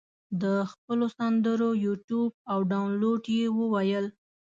د خپلو سندرو یوټیوب او دانلود یې وویل.